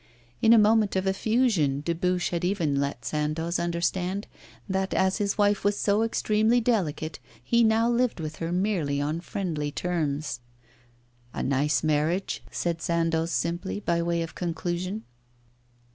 In a moment of effusion Dubuche had even let Sandoz understand that as his wife was so extremely delicate he now lived with her merely on friendly terms. 'A nice marriage,' said Sandoz, simply, by way of conclusion.